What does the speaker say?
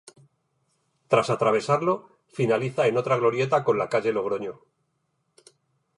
Tras atravesarlo, finaliza en otra glorieta con la calle Logroño.